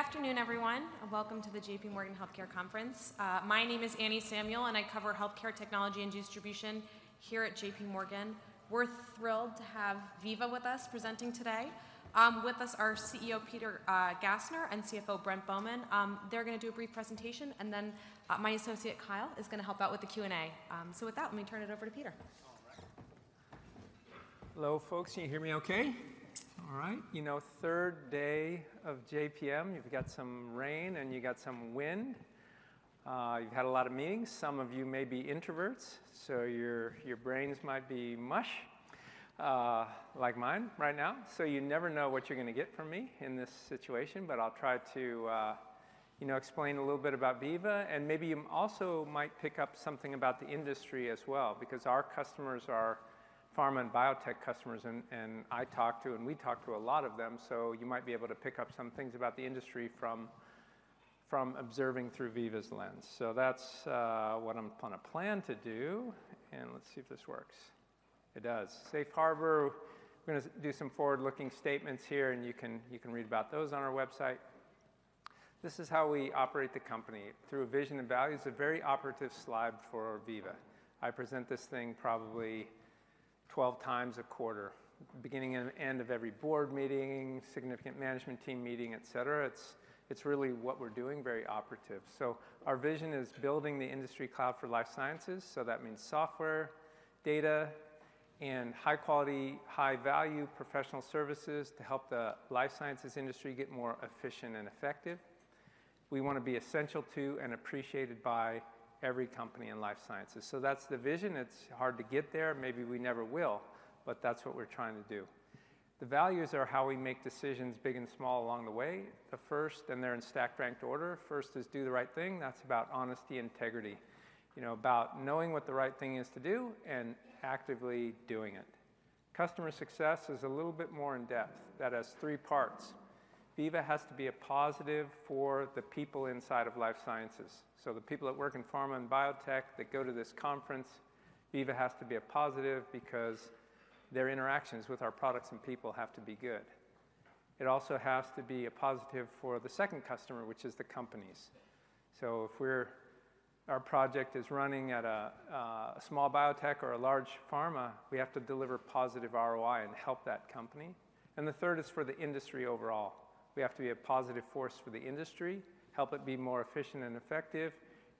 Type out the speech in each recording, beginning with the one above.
Good afternoon, everyone, and welcome to the JPMorgan Healthcare Conference. My name is Anne Samuel, and I cover healthcare technology and distribution here at JPMorgan. We're thrilled to have Veeva with us presenting today. With us are CEO Peter Gassner and CFO Brent Bowman. They're gonna do a brief presentation, and then my associate, Kyle, is gonna help out with the Q&A. So with that, let me turn it over to Peter. All right. Hello, folks. Can you hear me okay? All right. You know, third day of JPM, you've got some rain, and you got some wind. You've had a lot of meetings. Some of you may be introverts, so your, your brains might be mush, like mine right now. So you never know what you're gonna get from me in this situation, but I'll try to, you know, explain a little bit about Veeva, and maybe you also might pick up something about the industry as well, because our customers are pharma and biotech customers, and, and I talk to, and we talk to a lot of them, so you might be able to pick up some things about the industry from, from observing through Veeva's lens. So that's what I'm gonna plan to do, and let's see if this works. It does. Safe harbor. We're gonna do some forward-looking statements here, and you can, you can read about those on our website. This is how we operate the company, through vision and values. A very operative slide for Veeva. I present this thing probably 12 times a quarter, beginning and end of every board meeting, significant management team meeting, et cetera. It's, it's really what we're doing, very operative. So our vision is building the industry cloud for life sciences, so that means software, data, and high-quality, high-value professional services to help the life sciences industry get more efficient and effective. We wanna be essential to and appreciated by every company in life sciences. So that's the vision. It's hard to get there, maybe we never will, but that's what we're trying to do. The values are how we make decisions, big and small, along the way. The first, and they're in stack-ranked order, first is do the right thing. That's about honesty, integrity. You know, about knowing what the right thing is to do and actively doing it. Customer Success is a little bit more in-depth. That has three parts. Veeva has to be a positive for the people inside of life sciences. So the people that work in pharma and biotech, that go to this conference, Veeva has to be a positive because their interactions with our products and people have to be good. It also has to be a positive for the second customer, which is the companies. So if our project is running at a small biotech or a large pharma, we have to deliver positive ROI and help that company. And the third is for the industry overall. We have to be a positive force for the industry, help it be more efficient and effective.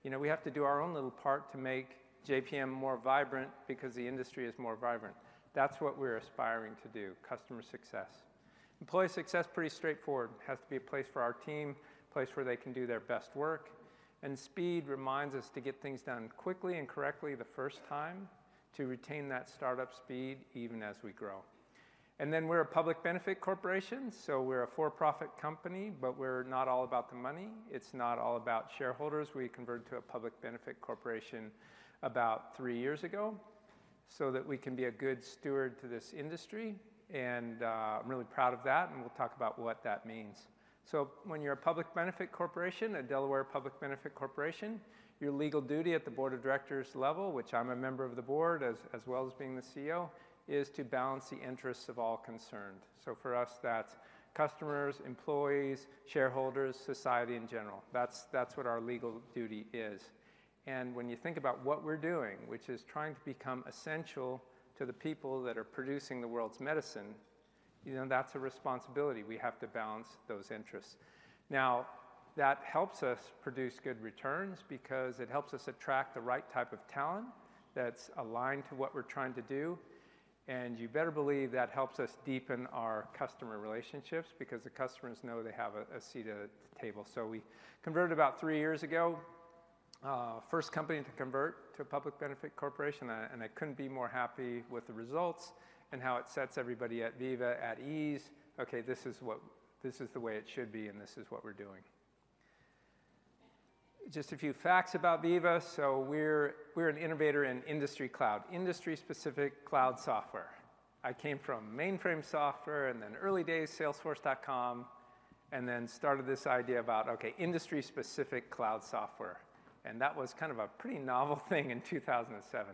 You know, we have to do our own little part to make JPM more vibrant because the industry is more vibrant. That's what we're aspiring to do, customer success. Employee Success, pretty straightforward. Has to be a place for our team, a place where they can do their best work. And speed reminds us to get things done quickly and correctly the first time, to retain that startup speed even as we grow. And then, we're a public benefit corporation, so we're a for-profit company, but we're not all about the money. It's not all about shareholders. We converted to a public benefit corporation about three years ago so that we can be a good steward to this industry, and, I'm really proud of that, and we'll talk about what that means. So when you're a public benefit corporation, a Delaware public benefit corporation, your legal duty at the board of directors level, which I'm a member of the board, as well as being the CEO, is to balance the interests of all concerned. So for us, that's customers, employees, shareholders, society in general. That's what our legal duty is. And when you think about what we're doing, which is trying to become essential to the people that are producing the world's medicine, you know, that's a responsibility. We have to balance those interests. Now, that helps us produce good returns because it helps us attract the right type of talent that's aligned to what we're trying to do, and you better believe that helps us deepen our customer relationships because the customers know they have a seat at the table. So we converted about three years ago. First company to convert to a public benefit corporation, and I couldn't be more happy with the results and how it sets everybody at Veeva at ease. "Okay, this is what, this is the way it should be, and this is what we're doing." Just a few facts about Veeva. So we're an innovator in industry cloud, industry-specific cloud software. I came from mainframe software and then early days Salesforce.com, and then started this idea about, okay, industry-specific cloud software, and that was kind of a pretty novel thing in 2007.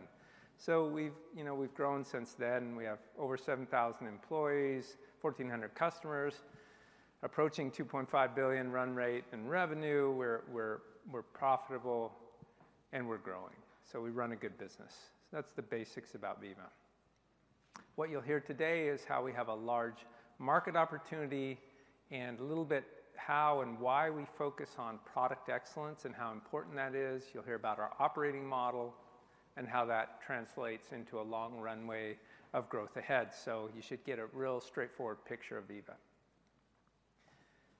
So we've, you know, we've grown since then, and we have over 7,000 employees, 1,400 customers, approaching $2.5 billion run rate in revenue. We're profitable, and we're growing. So we run a good business. That's the basics about Veeva. What you'll hear today is how we have a large market opportunity, and a little bit how and why we focus on product excellence and how important that is. You'll hear about our operating model and how that translates into a long runway of growth ahead. So you should get a real straightforward picture of Veeva.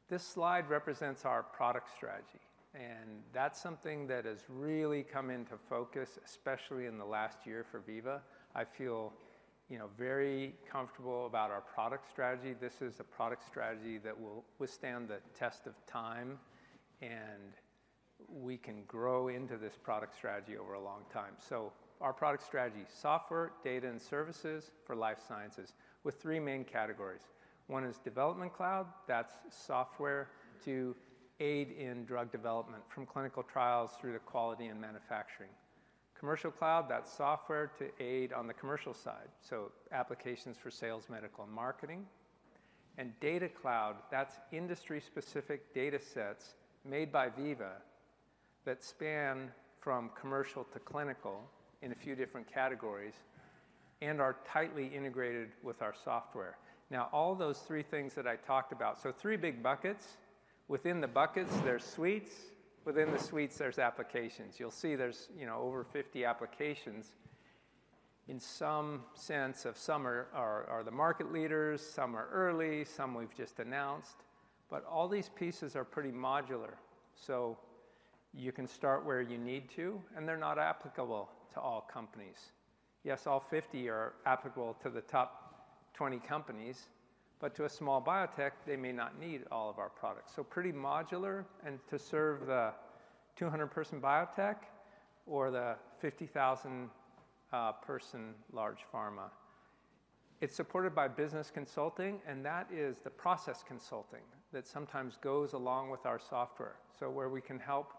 This slide represents our product strategy, and that's something that has really come into focus, especially in the last year for Veeva. I feel, you know, very comfortable about our product strategy. This is a product strategy that will withstand the test of time, and we can grow into this product strategy over a long time. So our product strategy: software, data, and services for life sciences with three main categories. One is development cloud, that's software to aid in drug development, from clinical trials through to quality and manufacturing. Commercial Cloud, that's software to aid on the commercial side, so applications for sales, medical, and marketing. And Data Cloud, that's industry-specific data sets made by Veeva that span from commercial to clinical in a few different categories and are tightly integrated with our software. Now, all those three things that I talked about, so three big buckets. Within the buckets, there's suites, within the suites, there's applications. You'll see there's, you know, over 50 applications. In some sense some are the market leaders, some are early, some we've just announced, but all these pieces are pretty modular, so you can start where you need to, and they're not applicable to all companies. Yes, all 50 are applicable to the top 20 companies, but to a small biotech, they may not need all of our products. So pretty modular, and to serve the 200-person biotech or the 50,000-person large pharma. It's supported by business consulting, and that is the process consulting that sometimes goes along with our software. So where we can help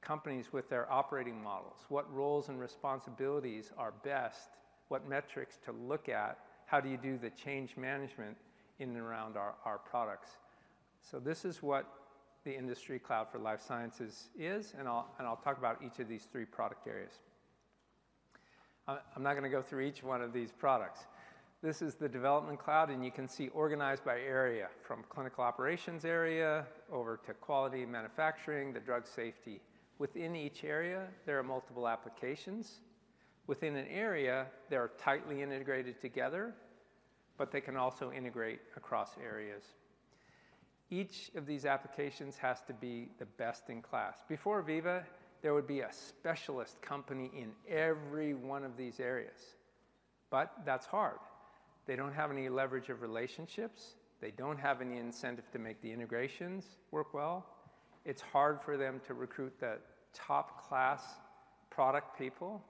companies with their operating models, what roles and responsibilities are best, what metrics to look at, how do you do the change management in and around our products? So this is what the industry cloud for life sciences is, and I'll talk about each of these three product areas. I'm not gonna go through each one of these products. This is the Development Cloud, and you can see organized by area, from clinical operations area over to quality and manufacturing, the drug safety. Within each area, there are multiple applications. Within an area, they are tightly integrated together, but they can also integrate across areas. Each of these applications has to be the best in class. Before Veeva, there would be a specialist company in every one of these areas, but that's hard. They don't have any leverage of relationships. They don't have any incentive to make the integrations work well. It's hard for them to recruit the top-class product people.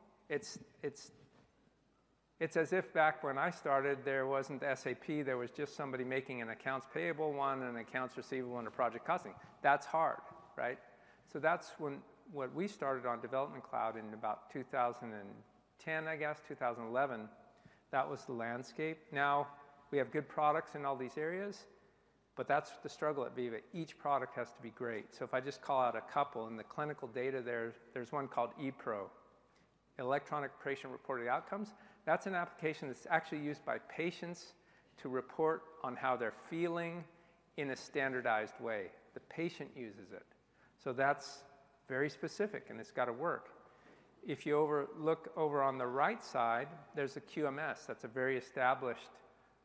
It's as if back when I started, there wasn't SAP, there was just somebody making an accounts payable one and an accounts receivable and a project costing. That's hard, right? So that's when what we started on Development Cloud in about 2010, I guess, 2011, that was the landscape. Now, we have good products in all these areas, but that's the struggle at Veeva. Each product has to be great. So if I just call out a couple, in the clinical data there, there's one called ePRO, Electronic Patient-Reported Outcomes. That's an application that's actually used by patients to report on how they're feeling in a standardized way. The patient uses it, so that's very specific, and it's gotta work. If you look over on the right side, there's a QMS. That's a very established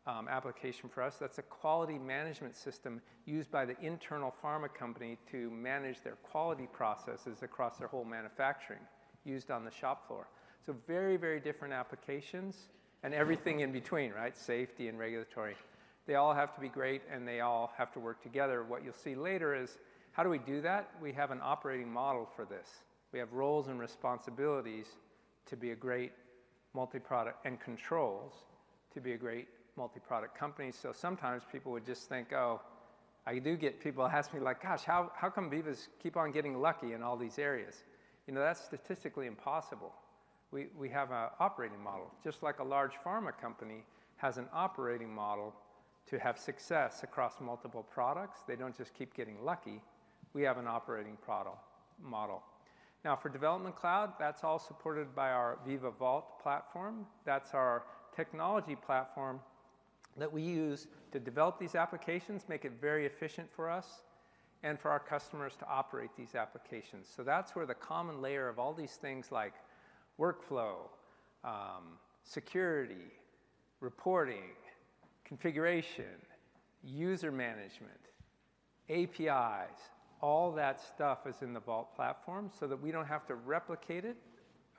application for us. That's a quality management system used by the internal pharma company to manage their quality processes across their whole manufacturing, used on the shop floor. So very, very different applications and everything in between, right? Safety and regulatory. They all have to be great, and they all have to work together. What you'll see later is: how do we do that? We have an operating model for this. We have roles and responsibilities to be a great multi-product, and controls to be a great multi-product company. So sometimes people would just think, "Oh," I do get people ask me like, "Gosh, how, how come Veeva's keep on getting lucky in all these areas?" You know, that's statistically impossible. We, we have an operating model. Just like a large pharma company has an operating model to have success across multiple products, they don't just keep getting lucky, we have an operating model. Now, for Development Cloud, that's all supported by our Veeva Vault Platform. That's our technology platform that we use to develop these applications, make it very efficient for us and for our customers to operate these applications. So that's where the common layer of all these things like workflow, security, reporting, configuration, user management, APIs, all that stuff is in the Vault Platform so that we don't have to replicate it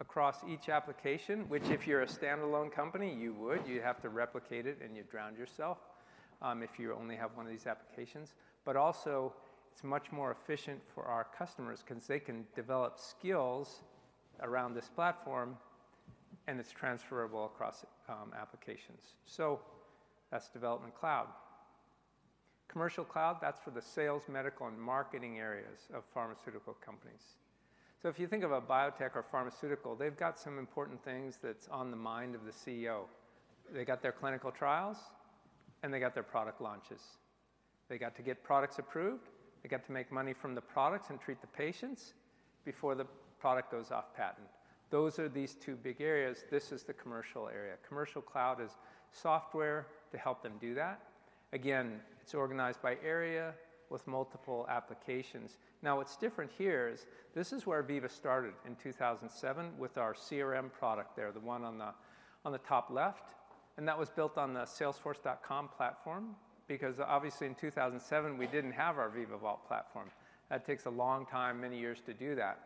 across each application, which if you're a standalone company, you would. You'd have to replicate it, and you'd drown yourself if you only have one of these applications. But also, it's much more efficient for our customers 'cause they can develop skills around this platform, and it's transferable across applications. So that's Development Cloud. Commercial Cloud, that's for the sales, medical, and marketing areas of pharmaceutical companies. So if you think of a biotech or pharmaceutical, they've got some important things that's on the mind of the CEO. They got their clinical trials, and they got their product launches. They got to get products approved. They got to make money from the products and treat the patients before the product goes off patent. Those are these two big areas. This is the commercial area. Commercial cloud is software to help them do that. Again, it's organized by area with multiple applications. Now, what's different here is this is where Veeva started in 2007 with our CRM product there, the one on the, on the top left, and that was built on the Salesforce.com platform. Because obviously, in 2007, we didn't have our Veeva Vault Platform. That takes a long time, many years to do that.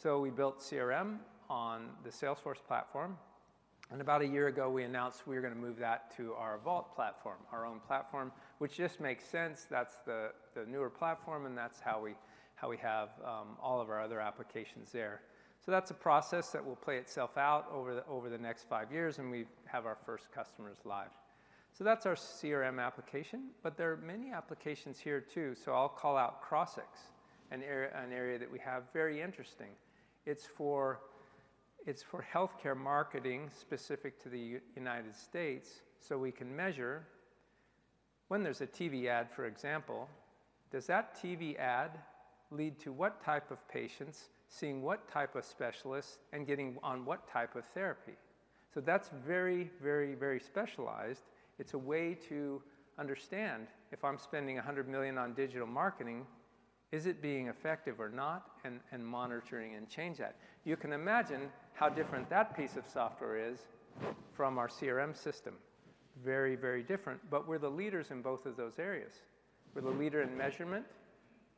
So we built CRM on the Salesforce platform, and about a year ago, we announced we were gonna move that to our Vault Platform, our own platform, which just makes sense. That's the, the newer platform, and that's how we, how we have all of our other applications there. So that's a process that will play itself out over the, over the next five years, and we have our first customers live. So that's our CRM application, but there are many applications here, too. So I'll call out Crossix, an area, an area that we have, very interesting. It's for healthcare marketing specific to the United States, so we can measure when there's a TV ad, for example, does that TV ad lead to what type of patients seeing what type of specialists and getting on what type of therapy? So that's very, very, very specialized. It's a way to understand, if I'm spending $100 million on digital marketing, is it being effective or not, and monitoring and change that. You can imagine how different that piece of software is from our CRM system. Very, very different, but we're the leaders in both of those areas. We're the leader in measurement,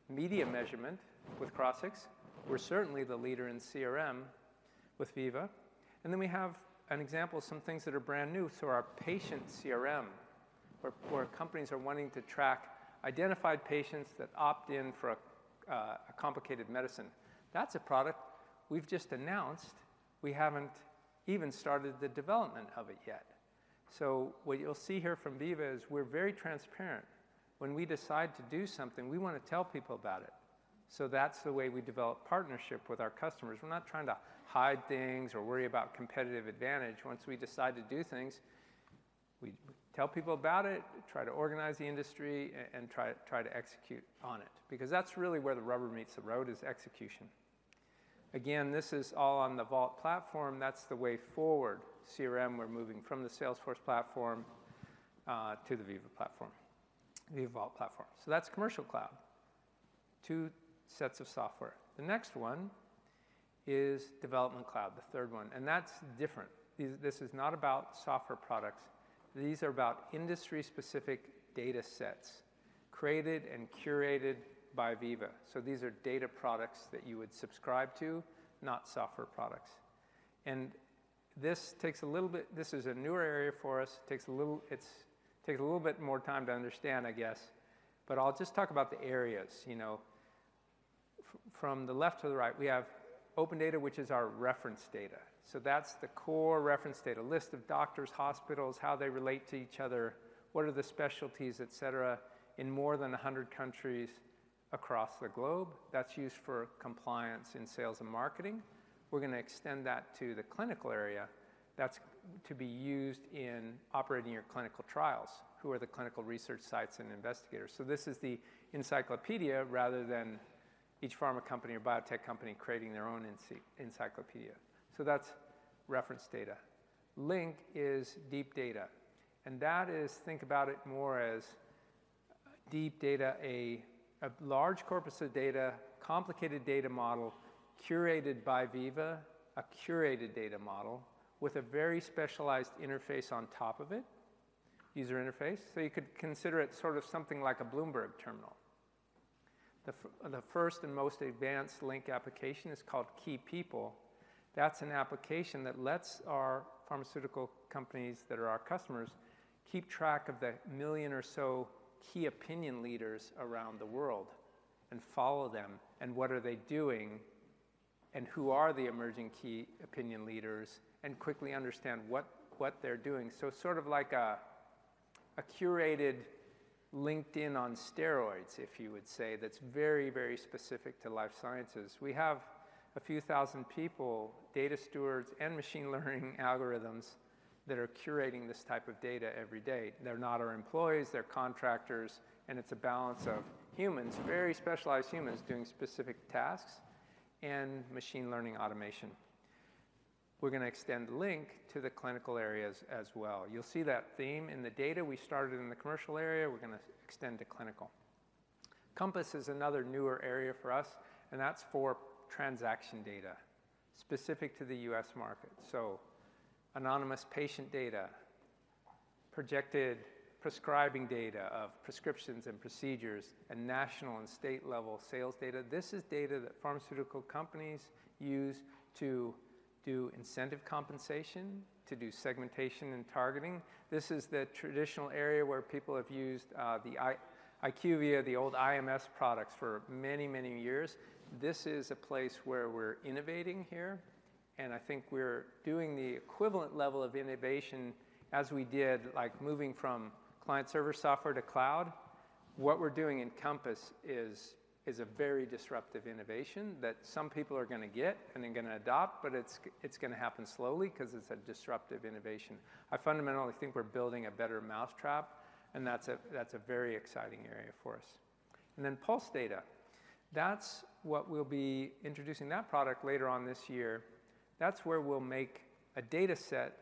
media measurement with Crossix. We're certainly the leader in CRM with Veeva. And then we have an example of some things that are brand new. So our Patient CRM, where companies are wanting to track identified patients that opt in for a complicated medicine. That's a product we've just announced. We haven't even started the development of it yet. So what you'll see here from Veeva is we're very transparent. When we decide to do something, we wanna tell people about it. So that's the way we develop partnership with our customers. We're not trying to hide things or worry about competitive advantage. Once we decide to do things, we tell people about it, try to organize the industry, and try to execute on it, because that's really where the rubber meets the road, is execution. Again, this is all on the Vault Platform. That's the way forward. CRM, we're moving from the Salesforce platform to the Veeva Platform, Veeva Vault Platform. So that's Commercial Cloud, two sets of software. The next one is Development Cloud, the third one, and that's different. This is not about software products. These are about industry-specific data sets created and curated by Veeva. So these are data products that you would subscribe to, not software products. And this takes a little bit. This is a newer area for us. It takes a little bit more time to understand, I guess, but I'll just talk about the areas. You know, from the left to the right, we have OpenData, which is our Reference Data. So that's the core Reference Data, list of doctors, hospitals, how they relate to each other, what are the specialties, et cetera, in more than 100 countries across the globe. That's used for compliance in sales and marketing. We're gonna extend that to the clinical area. That's to be used in operating your clinical trials. Who are the clinical research sites and investigators? So this is the encyclopedia rather than each pharma company or biotech company creating their own encyclopedia. So that's Reference Data. Link is deep data, and that is. Think about it more as deep data, a large corpus of data, complicated data model, curated by Veeva, a curated data model with a very specialized interface on top of it, user interface. So you could consider it sort of something like a Bloomberg Terminal. The first and most advanced Link application is called Key People. That's an application that lets our pharmaceutical companies that are our customers keep track of the 1 million or so key opinion leaders around the world and follow them, and what are they doing, and who are the emerging key opinion leaders, and quickly understand what, what they're doing. So sort of like a, a curated LinkedIn on steroids, if you would say, that's very, very specific to life sciences. We have a few thousand people, data stewards and machine learning algorithms, that are curating this type of data every day. They're not our employees, they're contractors, and it's a balance of humans, very specialized humans, doing specific tasks and machine learning automation. We're gonna extend Link to the clinical areas as well. You'll see that theme in the data. We started in the commercial area, we're gonna extend to clinical. Compass is another newer area for us, and that's for transaction data specific to the U.S. market. So anonymous patient data, projected prescribing data of prescriptions and procedures, and national and state-level sales data. This is data that pharmaceutical companies use to do incentive compensation, to do segmentation and targeting. This is the traditional area where people have used, the IQVIA, the old IMS products for many, many years. This is a place where we're innovating here, and I think we're doing the equivalent level of innovation as we did, like, moving from client server software to cloud. What we're doing in Compass is a very disruptive innovation that some people are gonna get and are gonna adopt, but it's gonna happen slowly 'cause it's a disruptive innovation. I fundamentally think we're building a better mousetrap, and that's a, that's a very exciting area for us. And then Pulse Data, that's what we'll be introducing that product later on this year. That's where we'll make a data set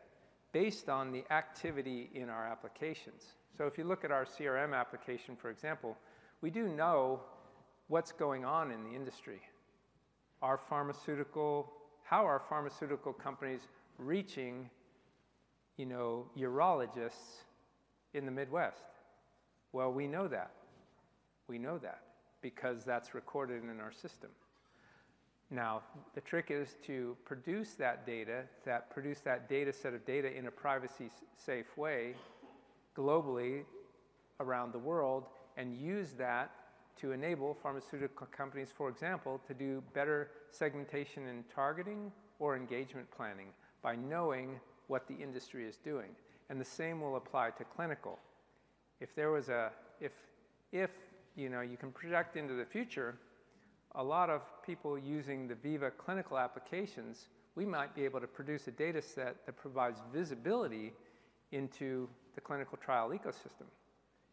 based on the activity in our applications. So if you look at our CRM application, for example, we do know what's going on in the industry. How are pharmaceutical companies reaching, you know, urologists in the Midwest? Well, we know that. We know that because that's recorded in our system. Now, the trick is to produce that data, produce that data set of data in a privacy safe way globally around the world, and use that to enable pharmaceutical companies, for example, to do better segmentation and targeting or engagement planning by knowing what the industry is doing. And the same will apply to clinical. If there was—if, you know, you can project into the future, a lot of people using the Veeva clinical applications, we might be able to produce a data set that provides visibility into the clinical trial ecosystem.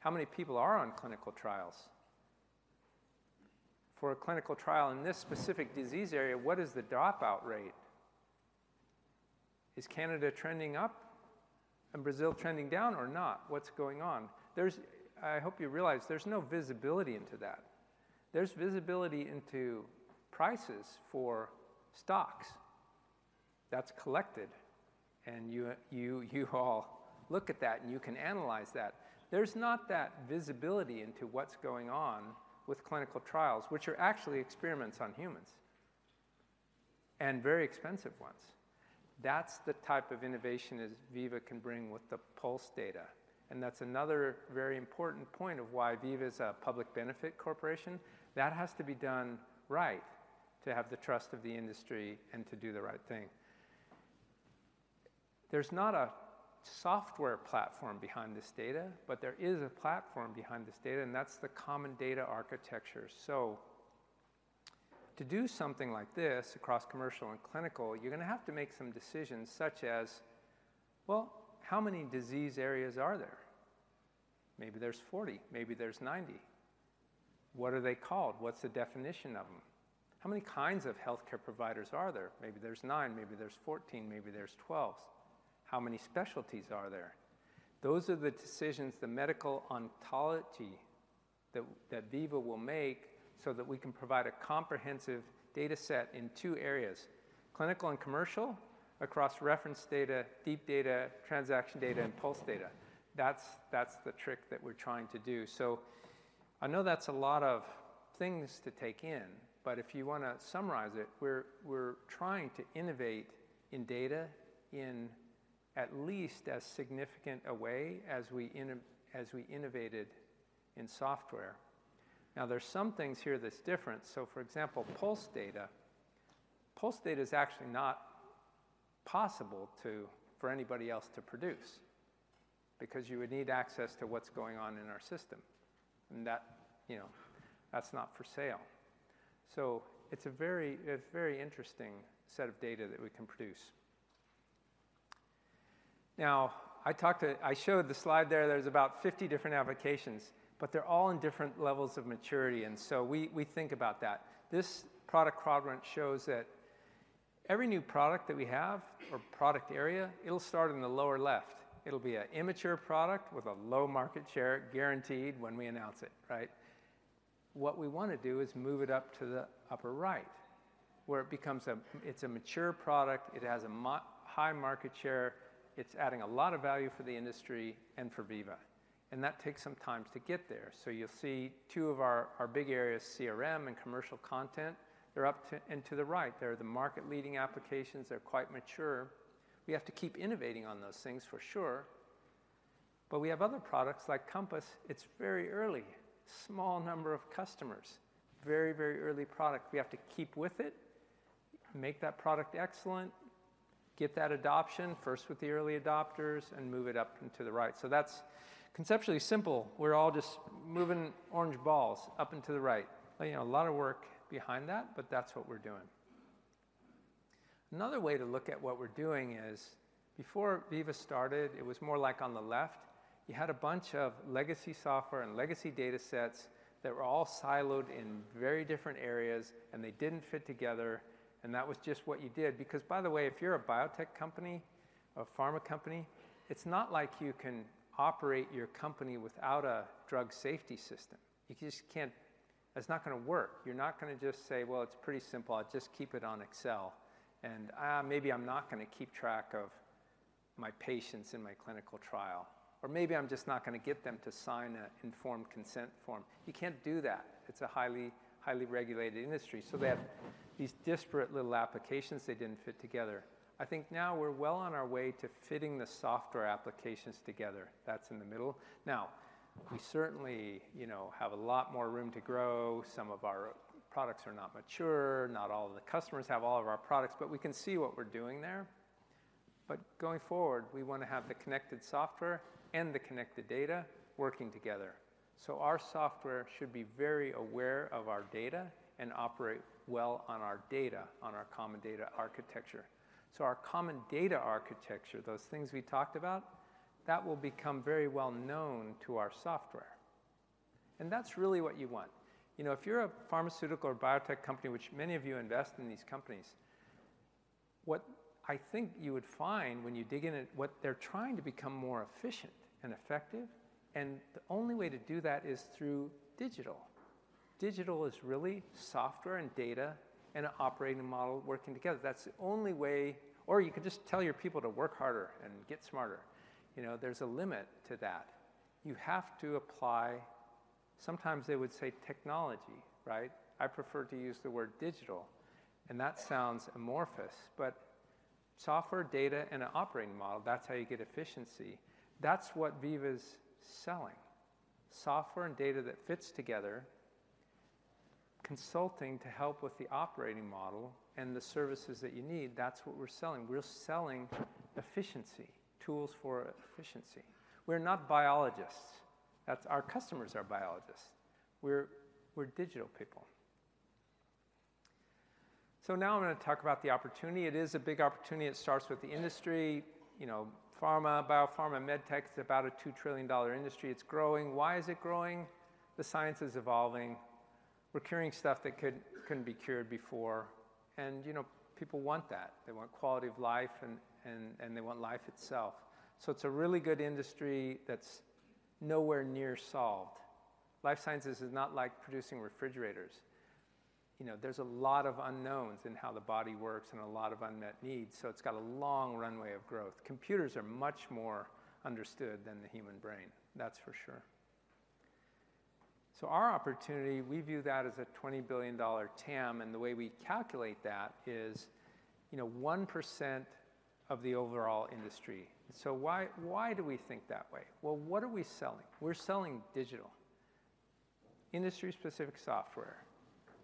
How many people are on clinical trials? For a clinical trial in this specific disease area, what is the dropout rate? Is Canada trending up and Brazil trending down or not? What's going on? There's—I hope you realize there's no visibility into that. There's visibility into prices for stocks that's collected, and you all look at that, and you can analyze that. There's not that visibility into what's going on with clinical trials, which are actually experiments on humans, and very expensive ones. That's the type of innovation Veeva can bring with the Pulse Data, and that's another very important point of why Veeva is a public benefit corporation. That has to be done right to have the trust of the industry and to do the right thing. There's not a software platform behind this data, but there is a platform behind this data, and that's the common data architecture. So to do something like this across commercial and clinical, you're gonna have to make some decisions, such as, well, how many disease areas are there? Maybe there's 40, maybe there's 90. What are they called? What's the definition of them? How many kinds of healthcare providers are there? Maybe there's 9, maybe there's 14, maybe there's 12. How many specialties are there? Those are the decisions, the medical ontology, that Veeva will make so that we can provide a comprehensive data set in two areas: Clinical and Commercial, across Reference Data, Deep Data, Transaction Data, and Pulse Data. That's the trick that we're trying to do. So I know that's a lot of things to take in, but if you wanna summarize it, we're trying to innovate in data in at least as significant a way as we innovated in software. Now, there's some things here that's different. So, for example, Pulse Data. Pulse Data is actually not possible for anybody else to produce because you would need access to what's going on in our system, and that, you know, that's not for sale. So it's a very interesting set of data that we can produce. Now, I talked to... I showed the slide there. There's about 50 different applications, but they're all in different levels of maturity, and so we, we think about that. This product quadrant shows that every new product that we have or product area, it'll start in the lower left. It'll be a immature product with a low market share, guaranteed, when we announce it, right? What we wanna do is move it up to the upper right, where it becomes a-- it's a mature product, it has a ma-- high market share, it's adding a lot of value for the industry and for Veeva, and that takes some time to get there. So you'll see two of our, our big areas, CRM and commercial content, they're up to and to the right. They're the market-leading applications, they're quite mature. We have to keep innovating on those things, for sure. But we have other products, like Compass. It's very early. Small number of customers. Very, very early product. We have to keep with it, make that product excellent, get that adoption, first with the early adopters, and move it up and to the right. So that's conceptually simple. We're all just moving orange balls up and to the right. You know, a lot of work behind that, but that's what we're doing. Another way to look at what we're doing is, before Veeva started, it was more like on the left. You had a bunch of legacy software and legacy data sets that were all siloed in very different areas, and they didn't fit together, and that was just what you did. Because, by the way, if you're a biotech company, a pharma company, it's not like you can operate your company without a drug safety system. You just can't... It's not gonna work. You're not gonna just say, "Well, it's pretty simple. I'll just keep it on Excel," and, "Ah, maybe I'm not gonna keep track of my patients in my clinical trial," or, "Maybe I'm just not gonna get them to sign an informed consent form." You can't do that. It's a highly, highly regulated industry. So they had these disparate little applications that didn't fit together. I think now we're well on our way to fitting the software applications together. That's in the middle. Now, we certainly, you know, have a lot more room to grow. Some of our products are not mature, not all of the customers have all of our products, but we can see what we're doing there. But going forward, we wanna have the connected software and the connected data working together. So our software should be very aware of our data and operate well on our data, on our common data architecture. So our common data architecture, those things we talked about, that will become very well known to our software, and that's really what you want. You know, if you're a pharmaceutical or biotech company, which many of you invest in these companies, what I think you would find when you dig in it, what they're trying to become more efficient and effective, and the only way to do that is through digital. Digital is really software and data and an operating model working together. That's the only way, or you can just tell your people to work harder and get smarter. You know, there's a limit to that. You have to apply, sometimes they would say, technology, right? I prefer to use the word digital, and that sounds amorphous, but software, data, and an operating model, that's how you get efficiency. That's what Veeva is selling. Software and data that fits together, consulting to help with the operating model, and the services that you need, that's what we're selling. We're selling efficiency, tools for efficiency. We're not biologists. That's. Our customers are biologists. We're digital people. So now I'm gonna talk about the opportunity. It is a big opportunity. It starts with the industry, you know, pharma, biopharma, med tech is about a $2 trillion industry. It's growing. Why is it growing? The science is evolving. We're curing stuff that couldn't be cured before, and, you know, people want that. They want quality of life and they want life itself. So it's a really good industry that's nowhere near solved. Life sciences is not like producing refrigerators. You know, there's a lot of unknowns in how the body works and a lot of unmet needs, so it's got a long runway of growth. Computers are much more understood than the human brain, that's for sure. So our opportunity, we view that as a $20 billion TAM, and the way we calculate that is, you know, 1% of the overall industry. So why, why do we think that way? Well, what are we selling? We're selling digital, industry-specific software,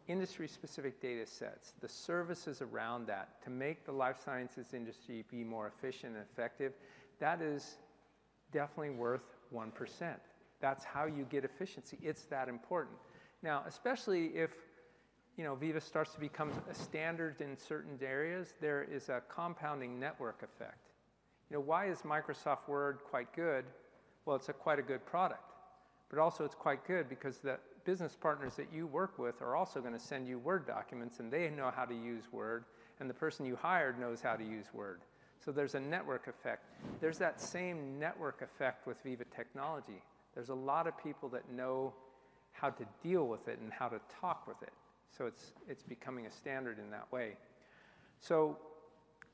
industry-specific data sets, the services around that to make the life sciences industry be more efficient and effective. That is definitely worth 1%. That's how you get efficiency. It's that important. Now, especially if, you know, Veeva starts to become a standard in certain areas, there is a compounding network effect. You know, why is Microsoft Word quite good? Well, it's a quite a good product, but also it's quite good because the business partners that you work with are also gonna send you Word documents, and they know how to use Word, and the person you hired knows how to use Word, so there's a network effect. There's that same network effect with Veeva technology. There's a lot of people that know how to deal with it and how to talk with it, so it's becoming a standard in that way. So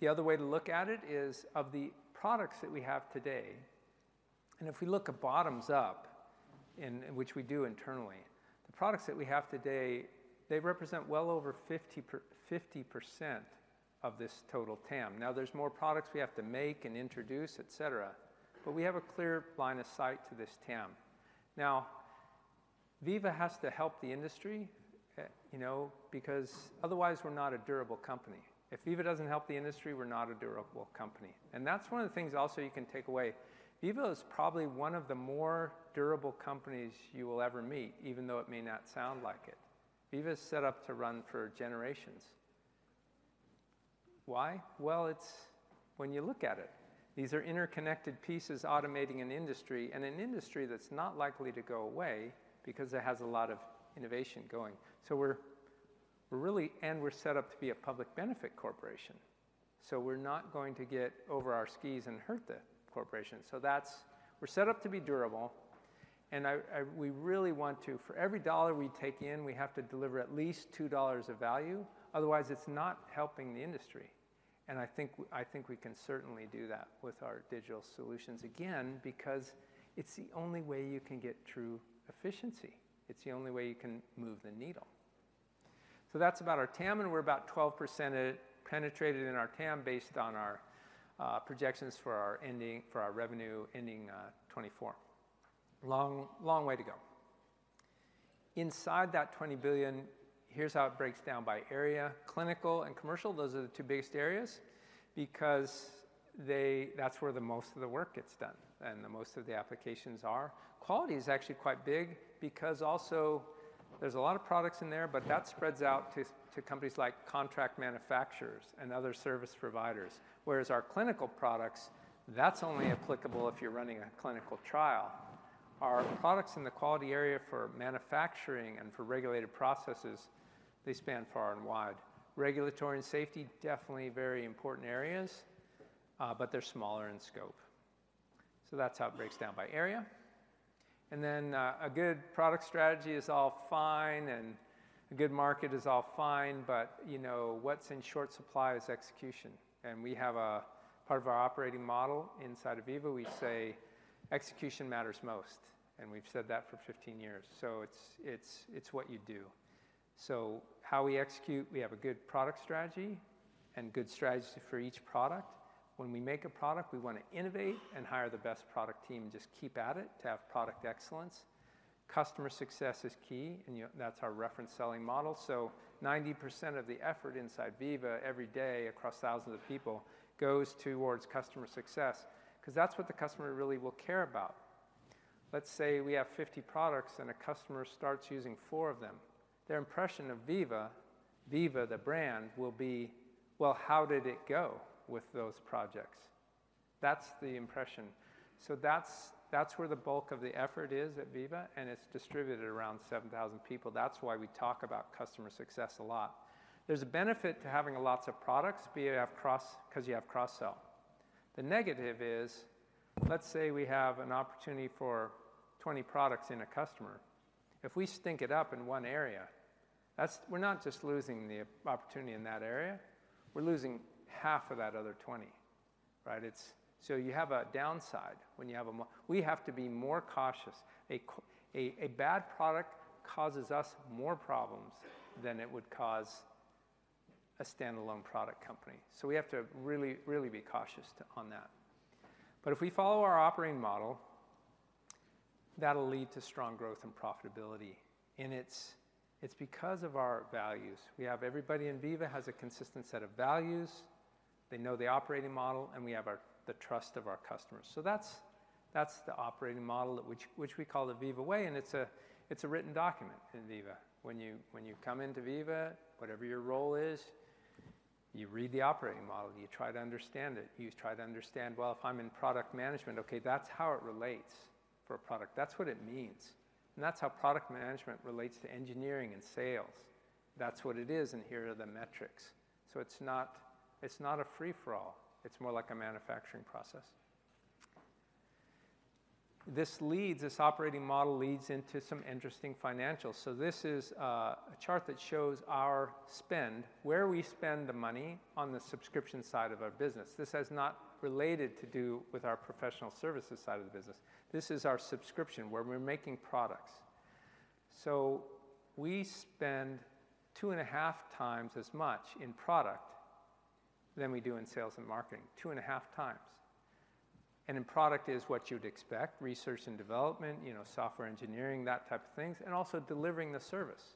the other way to look at it is, of the products that we have today, and if we look at bottoms up, in which we do internally, the products that we have today, they represent well over 50% of this total TAM. Now, there's more products we have to make and introduce, et cetera, but we have a clear line of sight to this TAM. Now, Veeva has to help the industry, you know, because otherwise we're not a durable company. If Veeva doesn't help the industry, we're not a durable company, and that's one of the things also you can take away. Veeva is probably one of the more durable companies you will ever meet, even though it may not sound like it. Veeva is set up to run for generations. Why? Well, it's when you look at it, these are interconnected pieces automating an industry, and an industry that's not likely to go away because it has a lot of innovation going. So we're really and we're set up to be a public benefit corporation, so we're not going to get over our skis and hurt the corporation. So that's... We're set up to be durable, and I, I, we really want to, for every dollar we take in, we have to deliver at least two dollars of value; otherwise, it's not helping the industry. And I think, I think we can certainly do that with our digital solutions, again, because it's the only way you can get true efficiency. It's the only way you can move the needle. So that's about our TAM, and we're about 12% penetrated in our TAM based on our projections for our revenue ending 2024. Long, long way to go. Inside that $20 billion, here's how it breaks down by area. Clinical and commercial, those are the two biggest areas because they-- that's where the most of the work gets done and the most of the applications are. Quality is actually quite big because also there's a lot of products in there, but that spreads out to companies like contract manufacturers and other service providers, whereas our clinical products, that's only applicable if you're running a clinical trial. Our products in the quality area for manufacturing and for regulated processes, they span far and wide. Regulatory and safety, definitely very important areas, but they're smaller in scope. So that's how it breaks down by area. And then, a good product strategy is all fine, and a good market is all fine, but, you know, what's in short supply is execution, and we have a part of our operating model inside of Veeva, we say, "Execution matters most," and we've said that for 15 years. So it's what you do. So how we execute, we have a good product strategy and good strategy for each product. When we make a product, we wanna innovate and hire the best product team and just keep at it to have product excellence. Customer success is key, and, you know, that's our reference selling model. So 90% of the effort inside Veeva every day across thousands of people, goes towards customer success, 'cause that's what the customer really will care about. Let's say we have 50 products and a customer starts using four of them. Their impression of Veeva, Veeva the brand, will be, "Well, how did it go with those projects?" That's the impression. So that's, that's where the bulk of the effort is at Veeva, and it's distributed around 7,000 people. That's why we talk about customer success a lot. There's a benefit to having a lot of products, because you have cross-sell. The negative is, let's say we have an opportunity for 20 products in a customer. If we stink it up in one area, that's—we're not just losing the opportunity in that area, we're losing half of that other 20… right? It's so you have a downside when we have to be more cautious. A bad product causes us more problems than it would cause a standalone product company. So we have to really, really be cautious on that. But if we follow our operating model, that'll lead to strong growth and profitability, and it's, it's because of our values. We have everybody in Veeva has a consistent set of values, they know the operating model, and we have the trust of our customers. So that's the operating model that we call the Veeva Way, and it's a written document in Veeva. When you come into Veeva, whatever your role is, you read the operating model, and you try to understand it. You try to understand, "Well, if I'm in product management, okay, that's how it relates for a product. That's what it means, and that's how product management relates to engineering and sales. That's what it is, and here are the metrics." So it's not a free-for-all. It's more like a manufacturing process. This operating model leads into some interesting financials. So this is a chart that shows our spend, where we spend the money on the subscription side of our business. This has not related to do with our professional services side of the business. This is our subscription, where we're making products. So we spend 2.5 times as much in product than we do in sales and marketing, 2.5 times. And in product is what you'd expect: research and development, you know, software engineering, that type of things, and also delivering the service.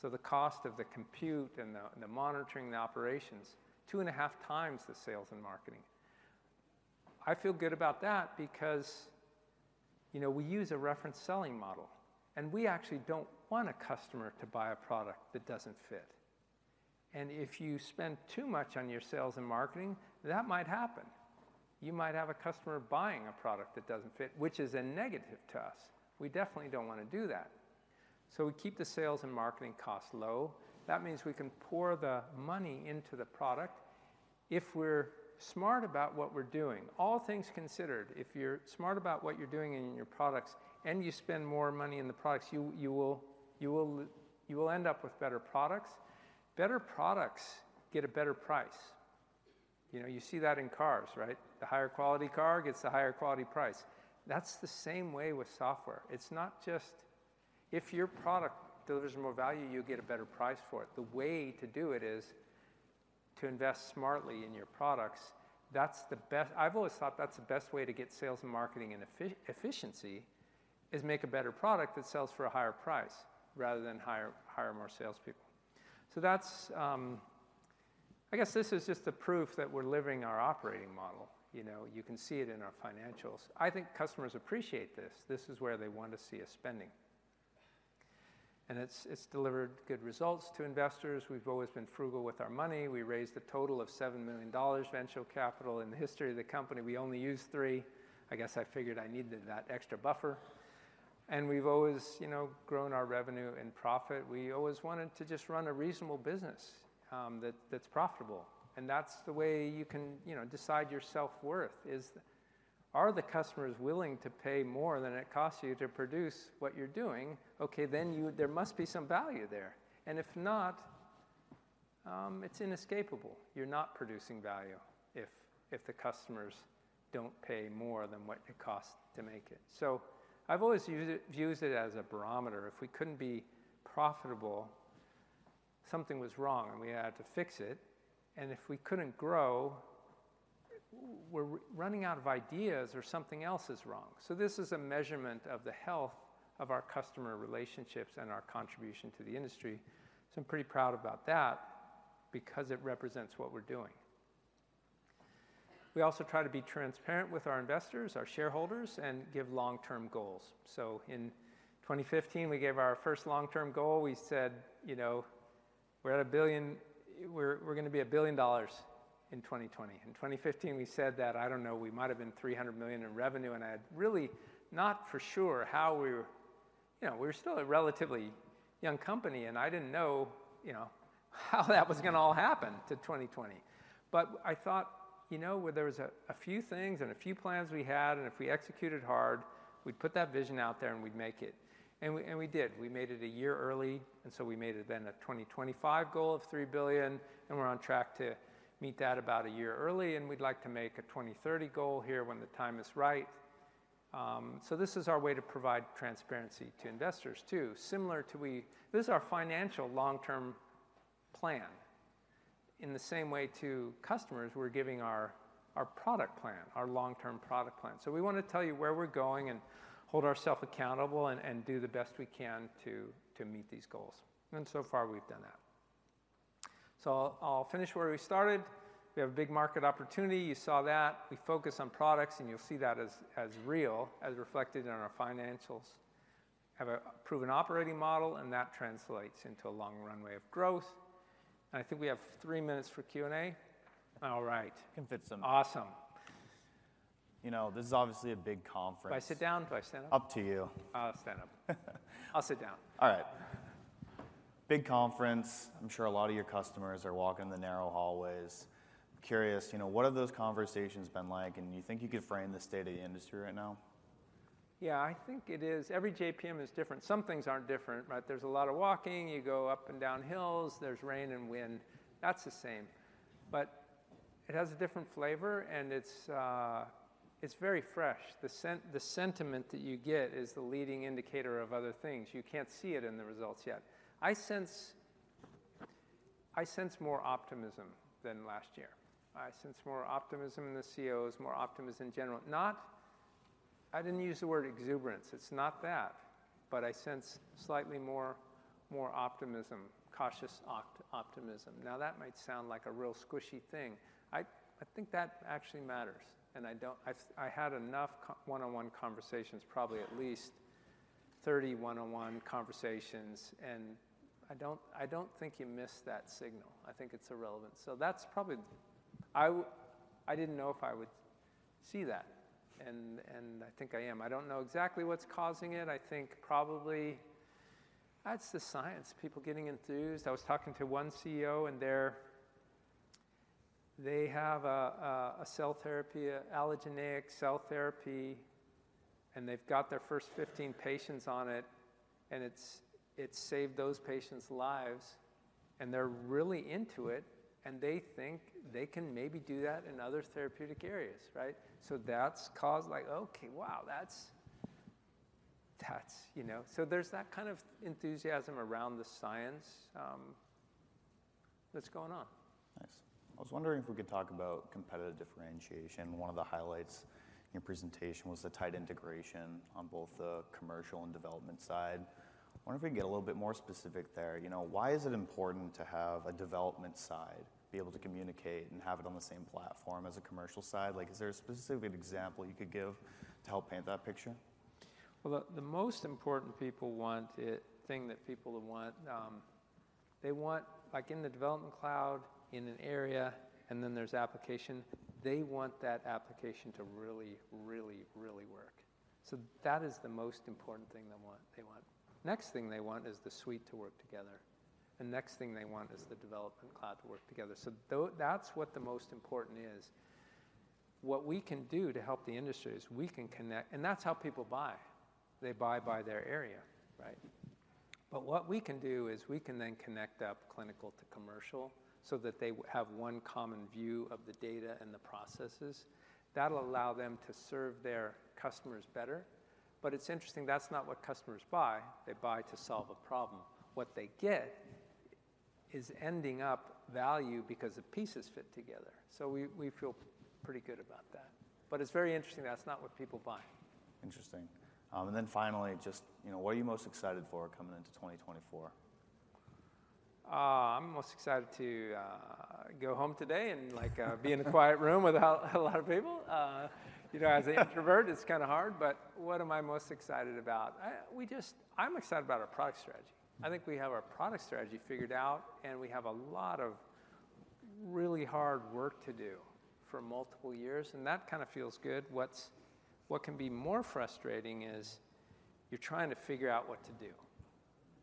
So the cost of the compute and the monitoring, the operations, 2.5 times the sales and marketing. I feel good about that because, you know, we use a reference selling model, and we actually don't want a customer to buy a product that doesn't fit. If you spend too much on your sales and marketing, that might happen. You might have a customer buying a product that doesn't fit, which is a negative to us. We definitely don't wanna do that. So we keep the sales and marketing costs low. That means we can pour the money into the product. If we're smart about what we're doing, all things considered, if you're smart about what you're doing in your products and you spend more money in the products, you will end up with better products. Better products get a better price. You know, you see that in cars, right? The higher quality car gets the higher quality price. That's the same way with software. It's not just... If your product delivers more value, you get a better price for it. The way to do it is to invest smartly in your products. That's the—I've always thought that's the best way to get sales and marketing and efficiency, is make a better product that sells for a higher price, rather than hire, hire more salespeople. So that's... I guess this is just the proof that we're living our operating model. You know, you can see it in our financials. I think customers appreciate this. This is where they want to see us spending. And it's, it's delivered good results to investors. We've always been frugal with our money. We raised a total of $7 million venture capital. In the history of the company, we only used $3 million. I guess I figured I needed that extra buffer. And we've always, you know, grown our revenue and profit. We always wanted to just run a reasonable business, that, that's profitable, and that's the way you can, you know, decide your self-worth, is: Are the customers willing to pay more than it costs you to produce what you're doing? Okay, then there must be some value there. And if not, it's inescapable. You're not producing value if, if the customers don't pay more than what it costs to make it. So I've always viewed it as a barometer. If we couldn't be profitable, something was wrong, and we had to fix it. And if we couldn't grow, we're running out of ideas or something else is wrong. So this is a measurement of the health of our customer relationships and our contribution to the industry, so I'm pretty proud about that because it represents what we're doing. We also try to be transparent with our investors, our shareholders, and give long-term goals. So in 2015, we gave our first long-term goal. We said, "You know, we're at a billion-- we're, we're gonna be $1 billion in 2020." In 2015, we said that. I don't know, we might have been $300 million in revenue, and I had really not for sure how we were... You know, we were still a relatively young company, and I didn't know, you know, how that was gonna all happen to 2020. But I thought, you know, well, there was a, a few things and a few plans we had, and if we executed hard, we'd put that vision out there, and we'd make it. And we, and we did. We made it a year early, and so we made it then a 2025 goal of $3 billion, and we're on track to meet that about a year early, and we'd like to make a 2030 goal here when the time is right. So this is our way to provide transparency to investors too, similar to we. This is our financial long-term plan. In the same way to customers, we're giving our product plan, our long-term product plan. So we wanna tell you where we're going and hold ourself accountable and do the best we can to meet these goals, and so far, we've done that. So I'll finish where we started. We have a big market opportunity. You saw that. We focus on products, and you'll see that as real, as reflected in our financials. Have a proven operating model, and that translates into a long runway of growth. I think we have three minutes for Q&A. All right. Can fit some- Awesome. You know, this is obviously a big conference. Do I sit down? Do I stand up? Up to you. I'll stand up. I'll sit down. All right. Big conference, I'm sure a lot of your customers are walking the narrow hallways. I'm curious, you know, what have those conversations been like, and you think you could frame the state of the industry right now? Yeah, I think it is. Every JPM is different. Some things aren't different, right? There's a lot of walking, you go up and down hills, there's rain and wind. That's the same, but it has a different flavor, and it's very fresh. The sentiment that you get is the leading indicator of other things. You can't see it in the results yet. I sense, I sense more optimism than last year. I sense more optimism in the CEOs, more optimism in general. Not. I didn't use the word exuberance, it's not that, but I sense slightly more, more optimism, cautious optimism. Now, that might sound like a real squishy thing. I, I think that actually matters, and I don't. I've. I had enough one-on-one conversations, probably at least 30 one-on-one conversations, and I don't, I don't think you miss that signal. I think it's irrelevant. So that's probably... I didn't know if I would see that, and I think I am. I don't know exactly what's causing it. I think probably that's the science, people getting enthused. I was talking to one CEO, and they're, they have a cell therapy, an allogeneic cell therapy, and they've got their first 15 patients on it, and it's saved those patients' lives, and they're really into it, and they think they can maybe do that in other therapeutic areas, right? So that's caused like, "Okay, wow!" That's, you know... So there's that kind of enthusiasm around the science that's going on. Nice. I was wondering if we could talk about competitive differentiation. One of the highlights in your presentation was the tight integration on both the commercial and development side. I wonder if we can get a little bit more specific there. You know, why is it important to have a development side, be able to communicate and have it on the same platform as a commercial side? Like, is there a specific example you could give to help paint that picture? Well, the most important thing that people want, they want, like, in the Development Cloud, in an area, and then there's application, they want that application to really, really, really work. So that is the most important thing they want, they want. Next thing they want is the suite to work together, and next thing they want is the Development Cloud to work together. So that's what the most important is. What we can do to help the industry is we can connect. And that's how people buy. They buy by their area, right? But what we can do is we can then connect up clinical to commercial so that they have one common view of the data and the processes. That'll allow them to serve their customers better. But it's interesting, that's not what customers buy. They buy to solve a problem. What they get is ending up value because the pieces fit together, so we feel pretty good about that. But it's very interesting, that's not what people buy. Interesting. Then finally, just, you know, what are you most excited for coming into 2024? I'm most excited to go home today and, like, be in a quiet room without a lot of people. You know, as an introvert, it's kinda hard, but what am I most excited about? I'm excited about our product strategy. I think we have our product strategy figured out, and we have a lot of really hard work to do for multiple years, and that kind of feels good. What can be more frustrating is you're trying to figure out what to do.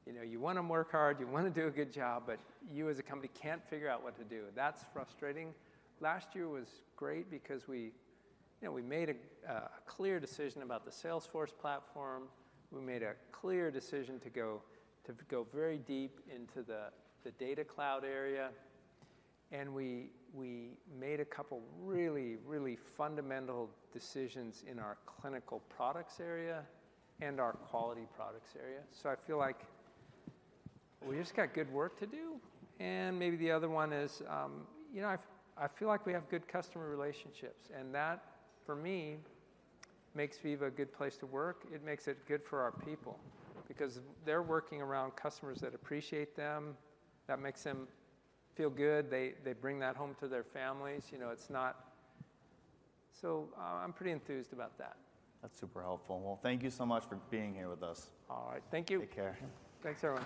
You know, you wanna work hard, you wanna do a good job, but you, as a company, can't figure out what to do. That's frustrating. Last year was great because we, you know, made a clear decision about the Salesforce platform. We made a clear decision to go very deep into the Data Cloud area, and we made a couple of really, really fundamental decisions in our clinical products area and our quality products area. So I feel like we just got good work to do. And maybe the other one is, you know, I feel like we have good customer relationships, and that, for me, makes Veeva a good place to work. It makes it good for our people because they're working around customers that appreciate them, that makes them feel good. They bring that home to their families. You know, it's not... So, I'm pretty enthused about that. That's super helpful. Well, thank you so much for being here with us. All right. Thank you. Take care. Thanks, everyone.